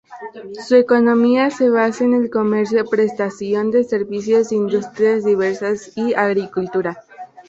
Su economía se basa en el comercio, prestación de servicios, industrias diversas y agricultura.